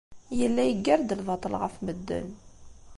Yella yeggar-d lbaṭel ɣef medden.